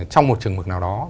trong một trường hợp nào đó